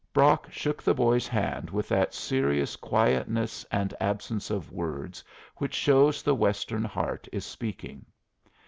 Brock shook the boy's hand with that serious quietness and absence of words which shows the Western heart is speaking.